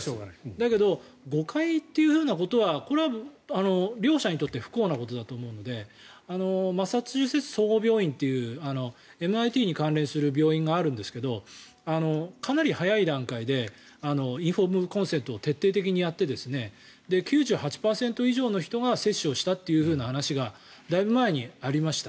だけど誤解ということはこれは両者にとって不幸なことだと思うのでマサチューセッツ総合病院っていうＭＩＴに関連する病院があるんですがかなり早い段階でインフォームドコンセントを徹底的にやって９８％以上の人が接種をしたという話がだいぶ前にありました。